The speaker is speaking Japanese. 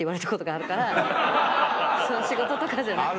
仕事とかじゃなくて。